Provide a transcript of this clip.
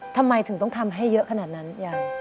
ทำไมถึงต้องทำให้เยอะขนาดนั้นยัง